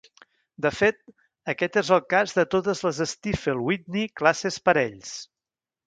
De fet, aquest és el cas de totes les Stiefel-Whitney classes parells.